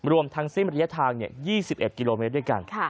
รวมทั้งสิ้นระยะทาง๒๑กิโลเมตรด้วยกัน